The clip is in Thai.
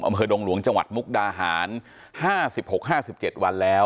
ดงหลวงจังหวัดมุกดาหาร๕๖๕๗วันแล้ว